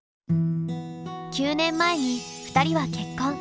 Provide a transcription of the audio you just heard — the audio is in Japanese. ９年前に２人は結婚。